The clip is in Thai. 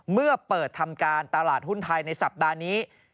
เมื่อเปิดทำการตลาดหุ้นไทยในสัปดาห์นี้